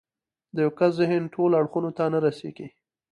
د يوه کس ذهن ټولو اړخونو ته نه رسېږي.